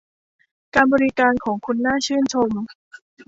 การบริการของคุณน่าชื่นชม